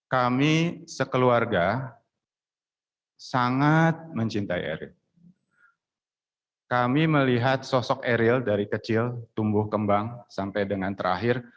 kami sekeluarga sangat mencintai eril kami melihat sosok eril dari kecil tumbuh kembang sampai dengan terakhir